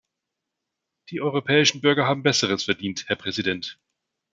Die europäischen Bürger haben Besseres verdient, Herr Präsident.